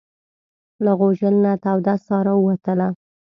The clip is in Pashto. له غوجل نه توده ساه راووتله.